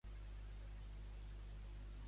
Què li va oferir a Calzetta?